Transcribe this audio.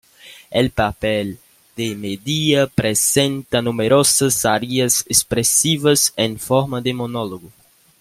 El papel de Medea presenta numerosas arias expresivas en forma de monólogo.